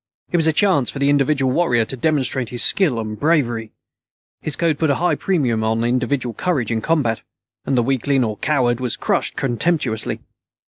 It was a chance for the individual warrior to demonstrate his skill and bravery. His code put a high premium on individual courage in combat, and the weakling or coward was crushed contemptuously.